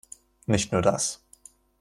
Nicht nur das.